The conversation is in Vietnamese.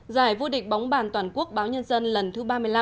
giải vô địch bóng bàn toàn quốc báo nhân dân lần thứ ba mươi năm